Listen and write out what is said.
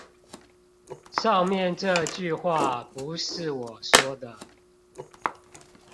上面這句話不是我說的